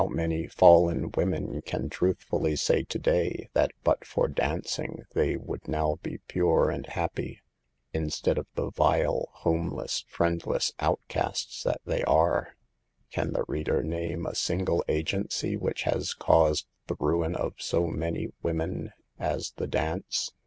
57 many fallen women can truthfully say to day that but for dancing they would now be pure and happy, instead of the vile, homeless, friend less outcasts that they are ? Can the reader name a single agency which has caused the ruin of so many women as the dance